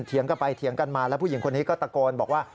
เงีกันไปเถียงกันมาแล้วผู้หญิงคนนี้ก็ตะโกนบอกว่า